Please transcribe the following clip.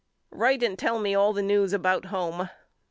Write and tell me all the news about home.